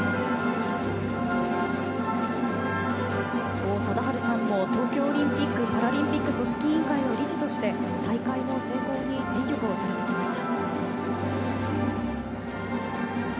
王貞治さんも東京オリンピック・パラリンピック組織委員会の理事として、大会の成功に尽力をされてきました。